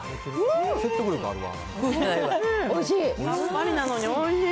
さっぱりなのに、おいしい。